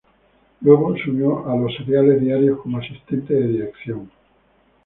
Luego se unió a los seriales diarios como asistente de dirección.